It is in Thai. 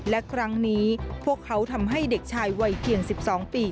และครั้งนี้พวกเขาทำให้เด็กชายวัยเพียง๑๒ปี